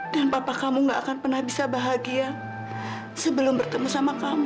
papa kamu gak akan pernah bisa bahagia sebelum bertemu sama kamu